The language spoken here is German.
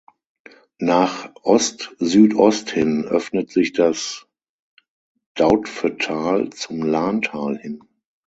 Nach Ost-Südost hin öffnet sich das Dautphetal zum Lahntal hin.